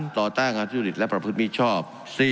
๓ต่อแต้งงานสุดิตและประพฤติมีชอบ